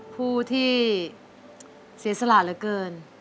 ผู้ที่เสียสละละเกิน